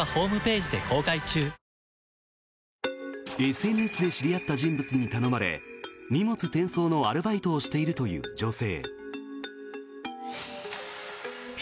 ＳＮＳで知り合った人物に頼まれ荷物転送のアルバイトをしているという女性。